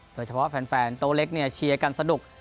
โดยเฉพาะแฟนโต๊ะเล็กเชียร์กันสนุก